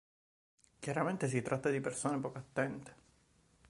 Chiaramente si tratta di persone poco attente.